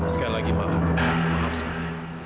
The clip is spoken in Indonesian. sekali lagi pak mohon maaf sekali